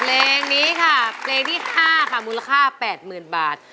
เพลงนี้ค่ะเพลงที่ห้าค่ะมูลค่าแพอดหมื่นบาท